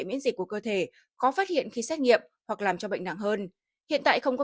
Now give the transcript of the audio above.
miễn dịch của cơ thể khó phát hiện khi xét nghiệm hoặc làm cho bệnh nặng hơn hiện tại không có